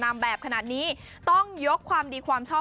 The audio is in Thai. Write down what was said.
แบบขนาดนี้ต้องยกความดีความชอบ